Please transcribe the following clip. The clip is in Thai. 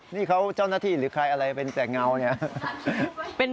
นี่เขาเจ้าหน้าที่หรือใครอะไรเป็นแต่เงาเนี่ย